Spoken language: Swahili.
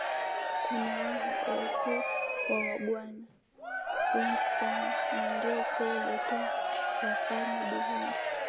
Kuna waha wa ukoo wa waganwa wengi sana na ndio ukoo uliotoa wafalme Burundi